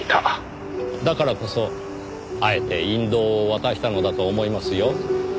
だからこそあえて引導を渡したのだと思いますよ。